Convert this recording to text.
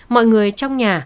mọi người trong nhà